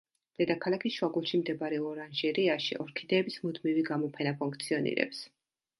დედაქალაქის შუაგულში მდებარე ორანჟერეაში ორქიდეების მუდმივი გამოფენა ფუნქციონირებს.